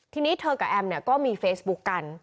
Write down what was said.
ทีนี้เธอกับแอมเนี่ยก็มีเฟซบุ๊กกัน